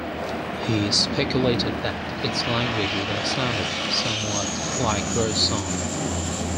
He speculated that its language would have sounded somewhat like bird song.